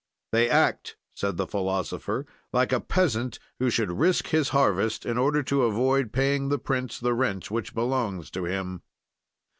"They act," said the philosopher, "like a peasant who should risk his harvest in order to avoid paying the prince the rent which belongs to him.